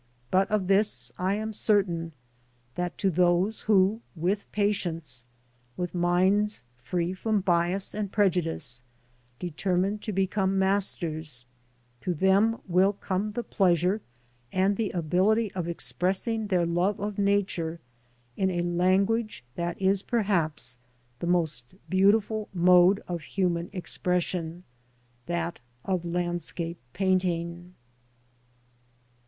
But of this I am certain, that to those who with patience, with minds free from bias and prejudice, determine to become masters, to them will come the pleasure and the ability of express ing their love of Nature in a language that is perhaps the most beautiful mode of human expression — that of landscape painting.